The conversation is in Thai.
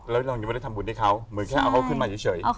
แล้วเรายังไม่ได้ทำบุญให้เขาเหมือนแค่เอาเขาขึ้นมาเฉย